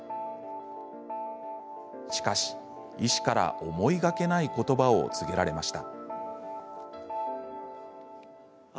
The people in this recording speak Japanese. しかし、医師から思いがけないことばを告げられました。